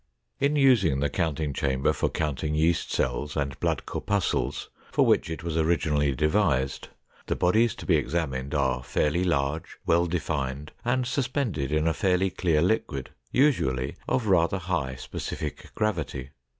In using the counting chamber for counting yeast cells and blood corpuscles, for which it was originally devised, the bodies to be examined are fairly large, well defined, and suspended in a fairly clear liquid, usually of rather high specific gravity.